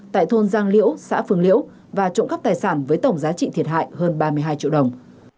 tại thôn giang liễu xã phường liễu và trộm cắp tài sản với tổng giá trị thiệt hại hơn ba mươi hai triệu đồng